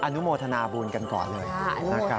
อนุโมทนาบุญกันก่อนเลยนะครับ